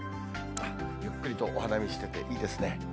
ゆっくりとお花見してていいですね。